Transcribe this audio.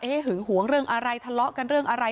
หึงหวงเรื่องอะไรทะเลาะกันเรื่องอะไร